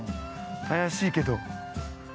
怪しいけど。